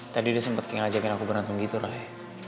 tadi dia sempet kayak ngajakin aku berantem gitu ray